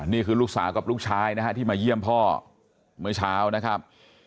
นี่คือลูกสาวกับลูกชายนะฮะที่มาเยี่ยมพ่อเมื่อเช้านะครับ